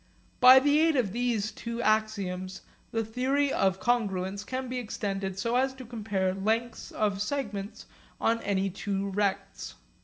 By the aid of these two axioms the theory of congruence can be extended so as to compare lengths of segments on any two rects.